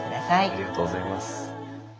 ありがとうございます。